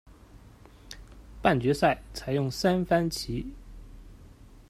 半决赛采用三番棋。